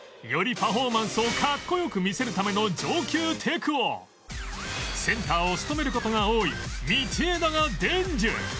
パフォーマンスをかっこよく見せるための上級テクをセンターを務める事が多い道枝が伝授